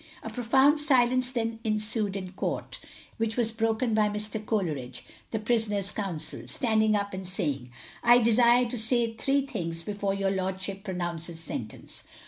A profound silence then ensued in court, which was broken by Mr Coleridge, the prisoner's counsel, standing up and saying, I desire to say three things before your Lordship pronounces sentence.